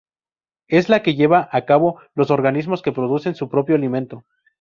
Es la que llevan a cabo los organismos que producen su propio alimento.